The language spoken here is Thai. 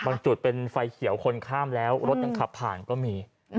จุดเป็นไฟเขียวคนข้ามแล้วรถยังขับผ่านก็มี